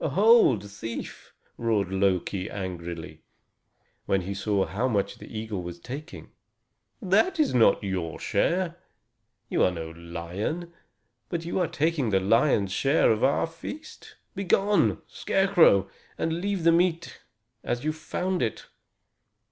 "Hold, thief!" roared Loki angrily, when he saw how much the eagle was taking. "That is not your share; you are no lion, but you are taking the lion's share of our feast. Begone, Scarecrow, and leave the meat as you found it!"